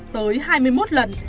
tới hai mươi một lần